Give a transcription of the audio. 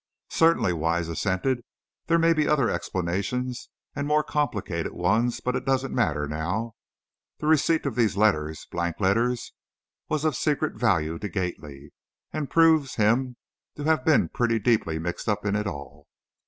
"Certainly," Wise assented, "there may be other explanations and more complicated ones. But it doesn't matter now. The receipt of these letters, blank letters, was of secret value to Gately, and proves him to have been pretty deeply mixed up in it all."